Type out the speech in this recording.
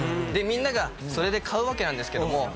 でみんながそれで買うわけなんですけども。